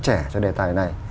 trẻ cho đề tài này